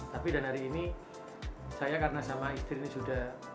tapi dan hari ini saya karena sama istri ini sudah